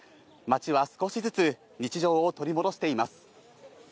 街は少しずつ日常を取り戻しています。